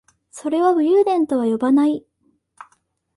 それは武勇伝とは呼ばない